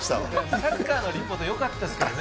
サッカーのリポートは良かったですけどね。